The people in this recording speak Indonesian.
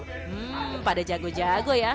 hmm pada jago jago ya